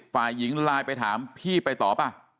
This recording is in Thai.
ฝ่ายหญิงไลน์ไปถามพี่ไปต่อป่ะ